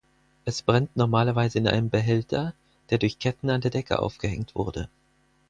Es brennt normalerweise in einem Behälter, der durch Ketten an der Decke aufgehängt wurde.